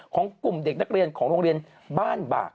ของกลุ่มเด็กนักเรียนของโรงเรียนบ้านบาก